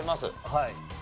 はい。